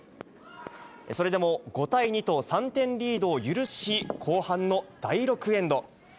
それでも、５対２と３点リードを許し、後半の第６エンド。